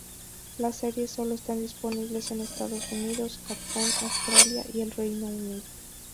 Las series solo están disponibles en Estados Unidos, Japón, Australia y el Reino Unido.